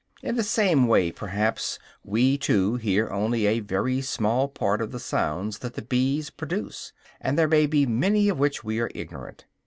In the same way perhaps we too only hear a very small part of the sounds that the bees produce, and there may be many of which we are ignorant.